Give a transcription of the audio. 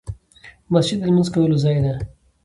مسجد د لمونځ کولو ځای دی .